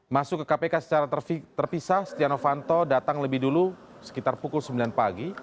masuk ke kpk secara terpisah setia novanto datang lebih dulu sekitar pukul sembilan pagi